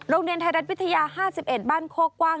โรงเรียนไทยรัฐวิทยา๕๑บ้านโคกว้าง